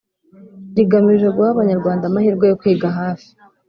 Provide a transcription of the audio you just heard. rigamije guha Abanyarwanda amahirwe yo kwiga hafi